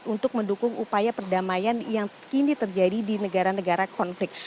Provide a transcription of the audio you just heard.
untuk mendukung upaya perdamaian yang kini terjadi di negara negara konflik